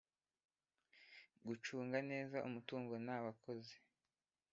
Gucunga neza umutungo n abakozi.